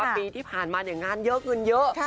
ปีที่ผ่านมางานเยอะเงินเยอะ